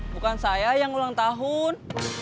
bukan saya yang ulang tahun